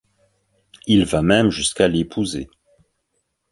Il va même jusqu'à l'épouser.